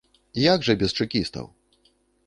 Як жа без чэкістаў?